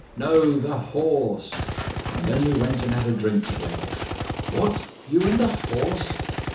"No, the horse; and then we went and had a drink together." "What! you and the horse?"